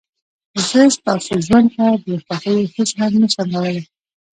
زه ستاسو ژوند ته د خوښيو هېڅ رنګ نه شم راوړلى.